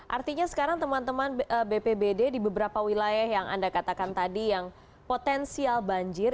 artinya sekarang teman teman bpbd di beberapa wilayah yang anda katakan tadi yang potensial banjir